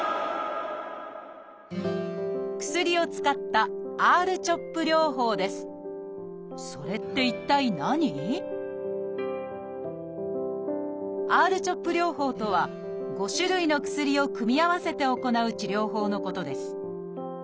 薬を使った「Ｒ−ＣＨＯＰ療法」とは５種類の薬を組み合わせて行う治療法のことです。